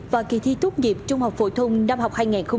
và kỳ thi tốt nghiệp trung học phổ thông năm học hai nghìn hai mươi ba